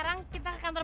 gereksinya tidak keadaan